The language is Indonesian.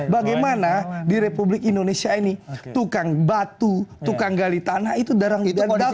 bagaimana di republik indonesia ini tukang batu tukang gali tanah itu darang gali